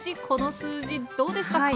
この数字どうですか？